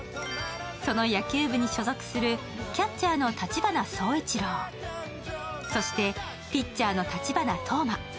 その野球部に所属するキャッチャーの立花走一郎、そしてピッチャーの立花投馬。